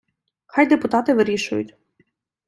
Хай депутати вирішують.